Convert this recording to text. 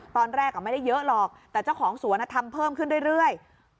ตอนแรกไม่ได้เยอะหรอกแต่เจ้าของสวนทำเพิ่มขึ้นเรื่อย